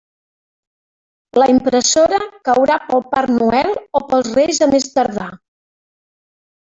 La impressora caurà pel Pare Noel o pels Reis a més tardar.